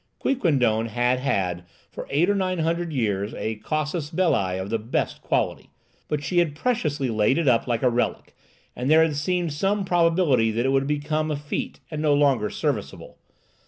Quiquendone had had for eight or nine hundred years a casus belli of the best quality; but she had preciously laid it up like a relic, and there had seemed some probability that it would become effete, and no longer serviceable.